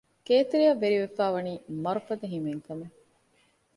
ގޭތެރެއަށް ވެރިވެފައިވަނީ މަރުފަދަ ހިމޭން ކަމެއް